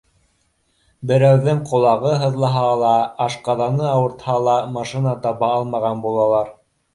Берәүҙең ҡолағы һыҙлаһа ла, ашҡаҙаны ауыртһа ла машина таба алмаған булалар.